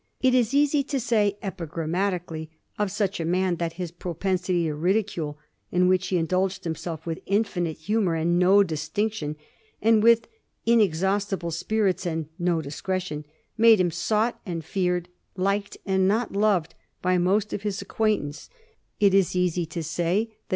It is easy to say epigrammatically of such a man that his propensity to ridicule, in which he indulged himself with infinite hu mor and no distinction, and with inexhaustible spirits and no discretion, made him sought and feared, liked and not loved, by most of his acquaintance; it is easy to say that 1V38. CHESTERFIELD'S GOVERNING ABIUTT.